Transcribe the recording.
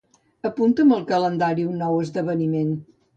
Apunta'm al calendari un nou esdeveniment.